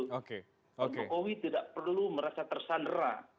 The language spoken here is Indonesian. pak jokowi tidak perlu merasa tersandera